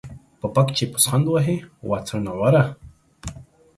په پک چې پوسخند وهې ، وا څوڼوره.